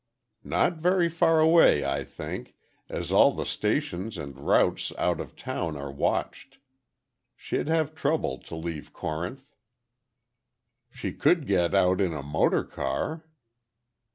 "Not very far away, I think, as all the stations and routes out of town are watched. She'd have trouble to leave Corinth." "She could get out in a motor car."